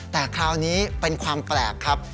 แต่คราวนี้เป็นความแปลกครับ